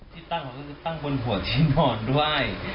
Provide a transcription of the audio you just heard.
ที่ตั้งก็คือตั้งบนหัวใช้หมอนด้วย